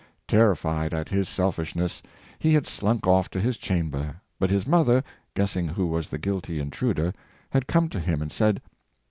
Terrified at his selfishness, he had slunk off to his chamber, but his mother, guessing who was the guilty intruder, had come to him and said.